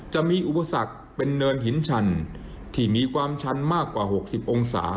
จะมีอุปสรรคเป็นเนินหินชันที่มีความชันมากกว่า๖๐องศา